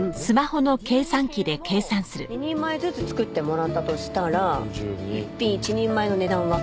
１２品を２人前ずつ作ってもらったとしたら１品１人前の値段は？